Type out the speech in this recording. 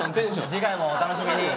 次回もお楽しみに。